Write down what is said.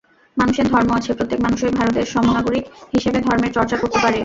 মানুষের ধর্ম আছে, প্রত্যেক মানুষই ভারতের সমনাগরিক হিসেবে ধর্মের চর্চা করতে পারে।